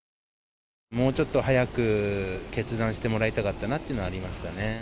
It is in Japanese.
もうちょっと早く決断してもらいたかったなっていうのはありますかね。